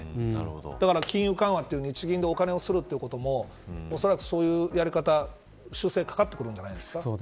だから金融緩和という日銀でお金を刷るということもおそらく、そういうやり方修正かかってくるんじゃないですか。